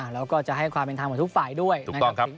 แล้วก็จะให้ความเป็นทางของทุกฝ่ายด้วยถูกต้องครับ